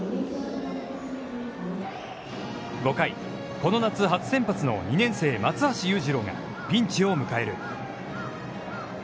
５回、この夏初先発の２年生松橋裕次郎がピンチを迎える。